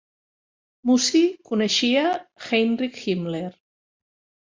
Musy coneixia Heinrich Himmler.